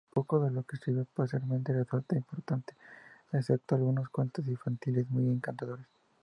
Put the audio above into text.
Poco de lo que escribió posteriormente resulta importante, excepto algunos cuentos infantiles muy encantadores.